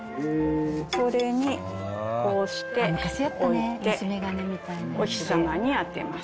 それにこうして置いてお日さまに当てます。